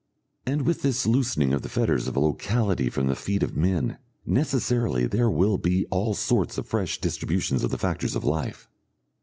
And with this loosening of the fetters of locality from the feet of men, necessarily there will be all sorts of fresh distributions of the factors of life.